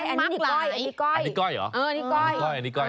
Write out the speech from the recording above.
อันนี้ก้อยเหรอ